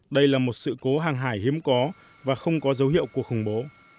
đây là một sự cố hàng hải hiếm có và không có dấu hiệu cuộc khủng bố